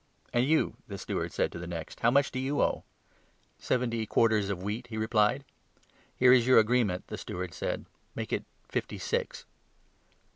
And you,' the steward said to the next, 'how much 7 do you owe ?'' Seventy quarters of wheat,' he replied. ' Here is your agreement,' the steward said ;' make it fifty six.'